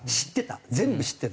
全部知ってた。